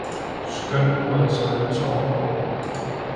Skjøndt Uhret stadigt slaaer og gaaer